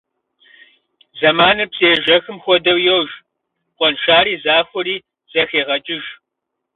Заманыр псы ежэхым хуэдэу йож, къуэншари захуэри зэхегъэкӏыж.